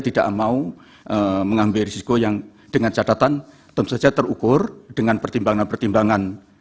tidak mau mengambil risiko yang dengan catatan tentu saja terukur dengan pertimbangan pertimbangan